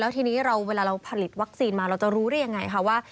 ทีนี้เวลาเราผลิตวัคซีนมาเราจะรู้ได้ยังไงคะว่า